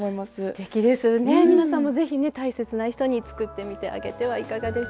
すてきですね皆さんもぜひね大切な人に作ってみてあげてはいかがでしょうか？